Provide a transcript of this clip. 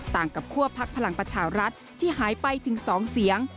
ต่างกับคั่วพักพลังประชารัฐที่หายไปถึง๒เสียง